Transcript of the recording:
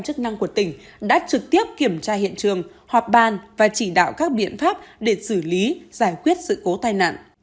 chức năng của tỉnh đã trực tiếp kiểm tra hiện trường họp bàn và chỉ đạo các biện pháp để xử lý giải quyết sự cố tai nạn